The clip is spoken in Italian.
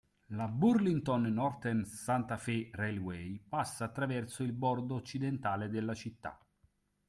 La Burlington Northern Santa Fe Railway passa attraverso il bordo occidentale della città.